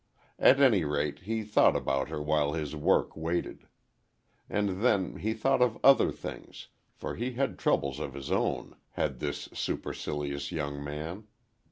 At any rate he thought about her while his work waited. And, then, he thought of other things—for he had troubles of his own, had this supercilious young man.